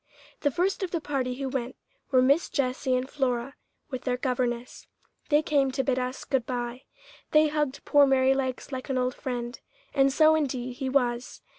The first of the party who went were Miss Jessie and Flora with their governess. They came to bid us good bye. They hugged poor Merrylegs like an old friend, and so indeed he was.